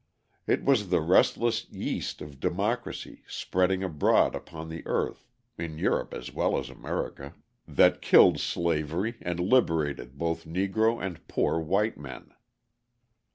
It was the restless yeast of democracy, spreading abroad upon the earth (in Europe as well as America) that killed slavery and liberated both Negro and poor white men.